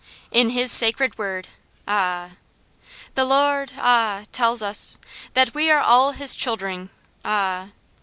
In his sacred word ah, The Lord ah tells us, That we are all his childring ah.